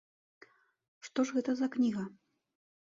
Што ж гэта за кніга?